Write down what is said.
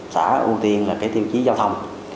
xã ưu tiên là tiêu chí giao thông